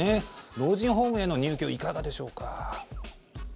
老人ホームへの入居いかがでしょうか。